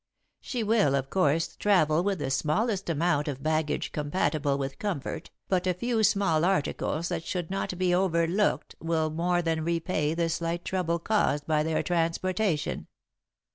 "'She will, of course, travel with the smallest amount of baggage compatible with comfort, but a few small articles that should not be overlooked will more than repay the slight trouble caused by their transportation.